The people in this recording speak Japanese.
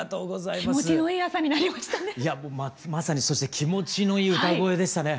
いやもうまさにそして気持ちのいい歌声でしたね。